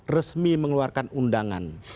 resmi mengeluarkan undangan